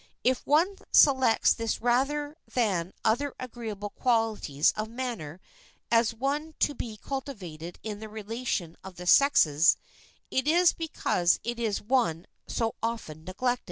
If one selects this rather than other agreeable qualities of manner as one to be cultivated in the relation of the sexes, it is because it is one so often neglected.